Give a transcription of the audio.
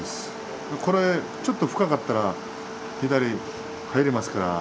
ちょっと深かったら左、入れますからね。